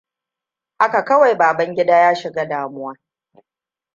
Haka kawai Babangidaa ya shiga damuwa.